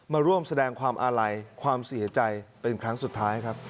มาร่วมแสดงความอาลัยความเสียใจเป็นครั้งสุดท้ายครับ